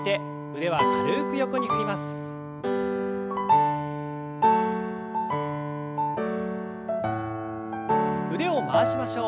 腕を回しましょう。